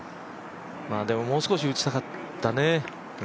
でももう少し打ちたかったね。